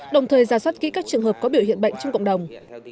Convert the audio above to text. đồng thời ra soát kỹ các trường hợp có biểu hiện bệnh trong cộng đồng